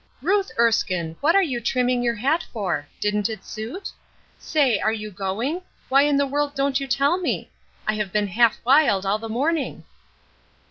"Ruth Erskine! what are you trimming your hat for? Didn't it suit? Say, are you going? Why in the world don't you tell me? I have been half wild all the morning."